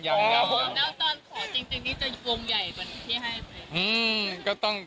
แล้วตอนขอจริงนี่จะวงใหญ่กว่านี้ที่ให้ไหม